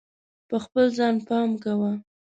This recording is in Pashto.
په خپل ځان پام کوه.